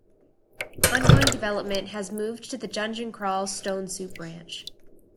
Ongoing development has moved to the Dungeon Crawl Stone Soup branch.